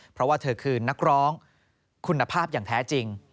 เพราะว่าเธอคือนักร้องคุณภาพอย่างแท้จริง